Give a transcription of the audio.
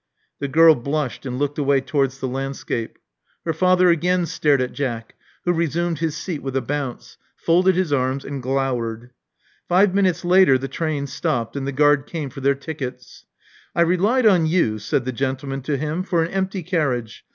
The girl blushed and looked away towards the landscape. Her father again stared at Jack, who resumed his seat with a bounce ; folded his arms ; and glowered. Five minutes later the train stopped; and the guard came for their tickets. I relied on you," said the gentleman to him, for an empty carriage.